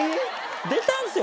出たんですよ。